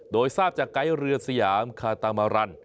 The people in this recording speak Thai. โดยทราบจากไกด์เรือสยามคาตามารัน